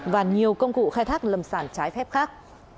và nhiều công cụ khai thác lâm sản trái phép khác